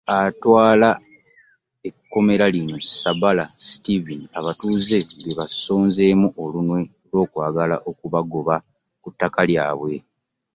Atwala ekkomera lino, Sabala Steven, abatuuze gwe basonzeemu olunwe lw’okwagala okubagoba ku ttaka lyabwe.